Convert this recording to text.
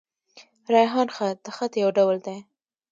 ریحان خط؛ د خط يو ډول دﺉ.